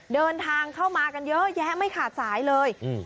เดินทางเข้ามากันเยอะแยะไม่ขาดสายเลยอืม